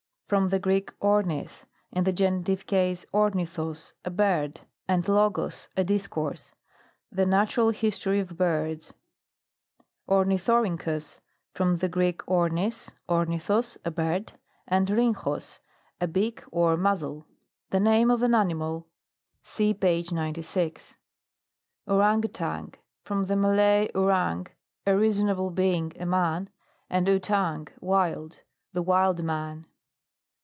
From the Greek ornis, in the genitive case, ornithos, a bird, and logos, a discourse. The natu ral history of birds. ORNITHORYNOHUS. From the Greek, ] ornis, ornithos, a bird, and rugchos, MAMMALOGY: GLOSSARY. 147 a beak or muzzle. The name of an animal. (See page 9 6.) OURANG OUTANG. From the Malay, ourang, a reasonable being, a man, and outang, wild. The wild man.